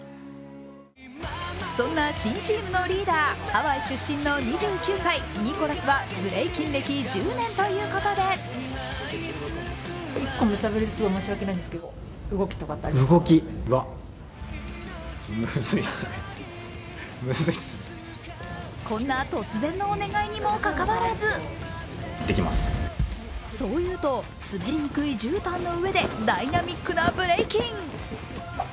そんな新チームのリーダー、ハワイ出身の２９歳、ニコラスはブレイキン歴１０年ということでこんな突然のお願いにもかかわらずそう言うと、滑りにくいじゅうたんの上でダイナミックなブレイキン！